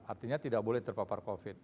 artinya tidak boleh terpapar covid